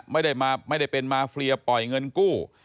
ไม่ได้มาไม่ได้เป็นมาเฟลียปล่อยเงินกู้